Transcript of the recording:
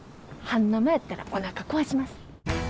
半生やったらおなか壊します。